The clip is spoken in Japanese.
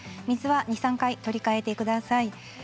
水は２、３回取り替えてください。